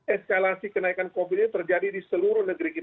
eskalasi kenaikan covid ini terjadi di seluruh negeri kita